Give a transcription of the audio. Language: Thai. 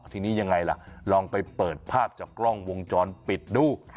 ทีนี้ยังไงล่ะลองไปเปิดภาพจากกล้องวงจรปิดดู